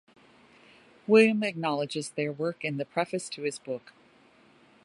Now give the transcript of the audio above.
William acknowledges their work in the preface to his book.